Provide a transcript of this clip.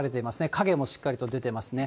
影もしっかりと出てますね。